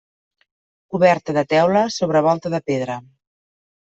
Coberta de teula sobre volta de pedra.